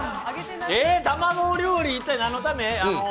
卵料理、一体何のため？